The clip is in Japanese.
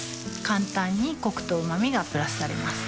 簡単にコクとうま味がプラスされます